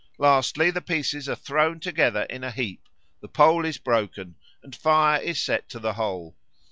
Lastly, the pieces are thrown together in a heap, the pole is broken, and fire is set to the whole.